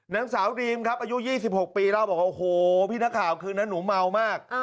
นางสาวดรีมครับอายุ๒๖ปีเล่าบอกว่าโอ้โหพี่นักข่าวคืนนั้นหนูเมามาก